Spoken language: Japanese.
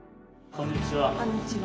こんにちは。